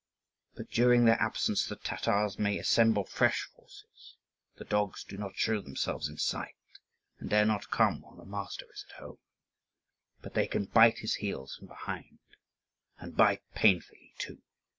But during their absence the Tatars may assemble fresh forces; the dogs do not show themselves in sight and dare not come while the master is at home, but they can bite his heels from behind, and bite painfully too.